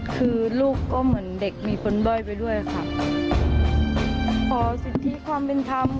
คือลูกก็เหมือนเด็กมีคนบ้อยไปด้วยค่ะขอสิทธิความเป็นธรรม